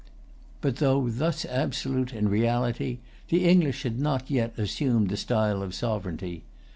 But, though thus absolute in reality, the English had not yet assumed the style of sovereignty.